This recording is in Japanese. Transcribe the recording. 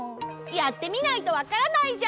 やってみないとわからないじゃん！